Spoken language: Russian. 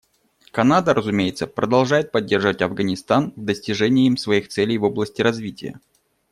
Канада, разумеется, продолжает поддерживать Афганистан в достижении им своих целей в области развития.